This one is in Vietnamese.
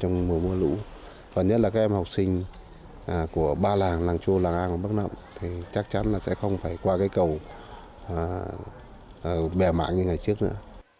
trong mùa mưa lũ và nhất là các em học sinh của ba làng làng chô làng an và bắc nậm thì chắc chắn là sẽ không phải qua cái cầu bè mạng như ngày trước nữa